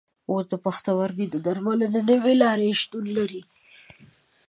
اوس د پښتورګو د درملنې نوې لارې شتون لري.